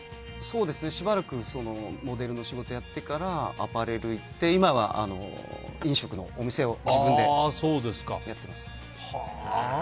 しばらくモデルの仕事をやってからアパレル行って、今は飲食のお店を自分でやってます。